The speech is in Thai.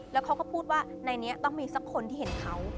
แล้วเขาก็พูดว่าในนี้ต้องมีสักคนที่เห็นเขา